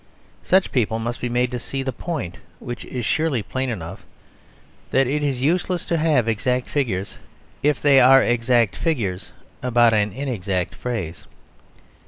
Such people must be made to see the point, which is surely plain enough, that it is useless to have exact figures if they are exact figures about an inexact phrase.